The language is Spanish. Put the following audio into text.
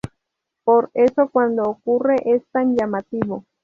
Por eso cuando ocurre es tan llamativo.